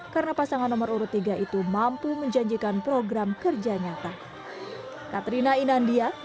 karena pasangan nomor urut tiga itu mampu menjanjikan program kerja nyata